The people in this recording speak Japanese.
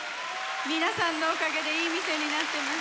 皆さんのおかげでいい店になってます。